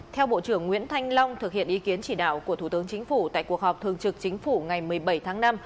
theo bộ trưởng nguyễn thanh long thực hiện ý kiến chỉ đạo của thủ tướng chính phủ tại cuộc họp thường trực chính phủ ngày một mươi bảy tháng năm